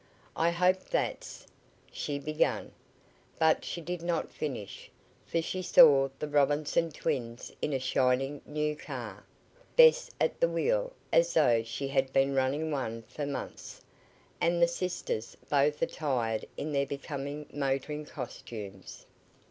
"I hope that's " she began, but she did not finish, for she saw the Robinson twins in a shining, new car, Bess at the wheel, as though she had been running one for months, and the sisters both attired in their becoming motoring costumes.